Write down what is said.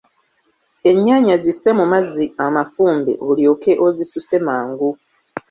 Ennyaanya zisse mu mazzi amafumbe, olyoke ozisuse mangu.